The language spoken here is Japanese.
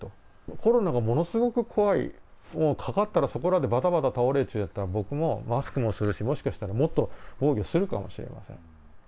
コロナがものすごく怖い、かかったらそこらでばたばた倒れるっていうなら僕もマスクもするし、もしかしたら、もっと防御するかもしれません。